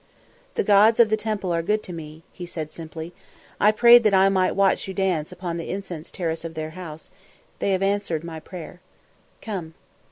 "The gods of the temple are good to me," he said simply. "I prayed that I might watch you dance upon the incense terrace of their house; they have answered my prayer. Come."